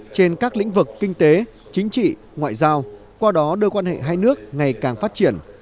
trên các lĩnh vực kinh tế chính trị ngoại giao qua đó đưa quan hệ hai nước ngày càng phát triển